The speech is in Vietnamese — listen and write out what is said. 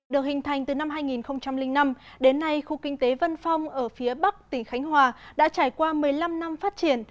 được hình thành từ năm hai nghìn năm đến nay khu kinh tế vân phong ở phía bắc tỉnh khánh hòa đã trải qua một mươi năm năm phát triển